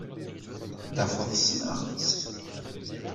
Ad tafeḍ ssneɣ-tt.